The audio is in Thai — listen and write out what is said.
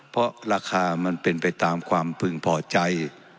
เพราะราคามันเป็นไปตามความพึงพอใจ